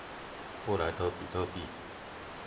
布萊德比特幣